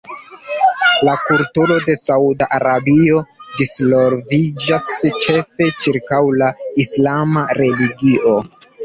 La kulturo de Sauda Arabio disvolviĝas ĉefe ĉirkaŭ la islama religio.